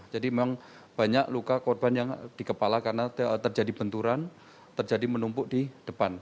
jadi memang banyak luka korban yang di kepala karena terjadi benturan terjadi menumpuk di depan